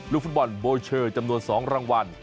ฟุตบอลโบเชอร์จำนวน๒รางวัล